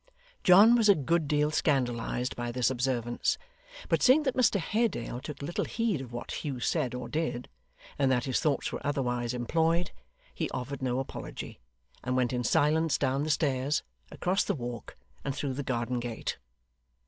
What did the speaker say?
John was a good deal scandalised by this observance, but seeing that Mr Haredale took little heed of what Hugh said or did, and that his thoughts were otherwise employed, he offered no apology, and went in silence down the stairs, across the walk, and through the garden gate.